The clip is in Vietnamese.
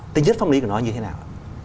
tính chất pháp lý của nó như thế nào